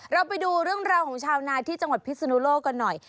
เราไปดูเรื่องราวของชาวนาที่จังหวัดพิศนุโลกกันหน่อย